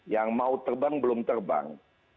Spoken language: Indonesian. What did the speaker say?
yang mau terbang belum terbang